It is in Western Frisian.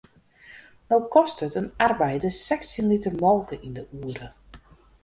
No kostet in arbeider sechstjin liter molke yn de oere.